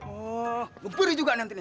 oh ngeberi juga nantinya